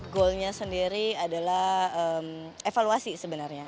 goalnya sendiri adalah evaluasi sebenarnya